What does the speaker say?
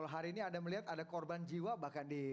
hari ini anda melihat ada korban jiwa bahkan di